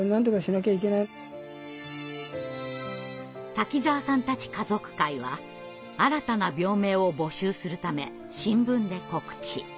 滝沢さんたち家族会は新たな病名を募集するため新聞で告知。